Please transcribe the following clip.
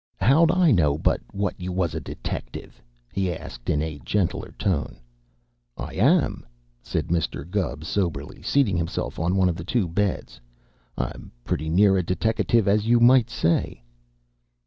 "How'd I know but what you was a detective?" he asked, in a gentler tone. "I am," said Mr. Gubb soberly, seating himself on one of the two beds. "I'm putty near a deteckative, as you might say."